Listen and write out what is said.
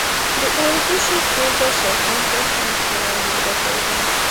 د اوربشو کوزه ساتونکی هم قوانین درلودل.